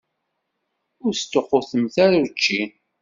Ur sṭuqqutemt ara učči.